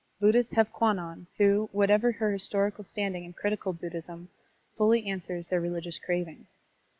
Buddhists have Kwannon, who, whatever her historical standing in critical Buddhism, fully answers their religious cravings.